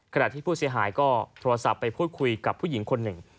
ขณะที่ผู้เสียหายก็โทรศัพท์ไปพูดคุยกับผู้หญิงคนหนึ่ง